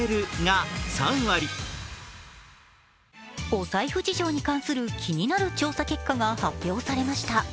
お財布事情に関する気になる調査結果が発表されました。